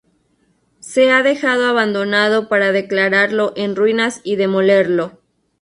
se ha dejado abandonado para declararlo en ruinas y demolerlo